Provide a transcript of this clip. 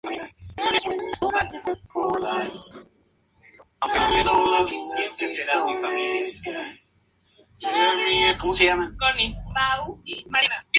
Lugar donde adquirió gran fama y popularidad.